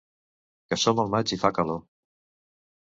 Que som al maig i fa calor!